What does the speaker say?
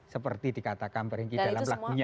seperti dikatakan perinki dalam lagunya